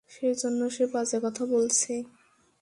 সেজন্য সে বাজে কথা বলছে।